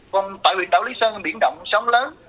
còn tại huyện đảo lý sơn biển động sóng lớn